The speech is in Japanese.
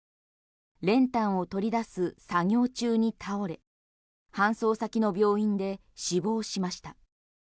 練炭を取り出す作業中に倒れ搬送先の病院で死亡しました。